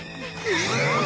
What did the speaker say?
うわ！